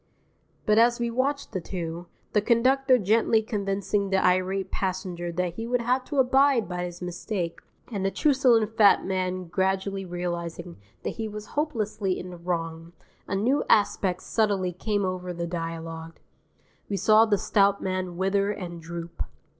_ But as we watched the two, the conductor gently convincing the irate passenger that he would have to abide by his mistake, and the truculent fat man gradually realizing that he was hopelessly in the wrong, a new aspect subtly came over the dialogue. We saw the stout man wither and droop.